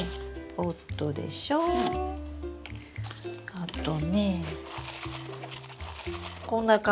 あとねこんな感じで。